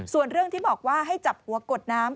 ส่วนเรื่องที่บอกว่าให้จับหัวกดน้ำ